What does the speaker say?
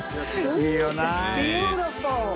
いいよな。